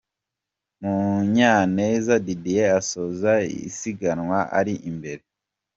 Munyaneza Didier asoza isiganwa ari imbere.